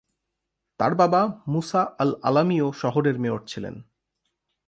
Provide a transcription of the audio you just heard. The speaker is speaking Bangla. তার বাবা মূসা আল-আলামিও শহরের মেয়র ছিলেন।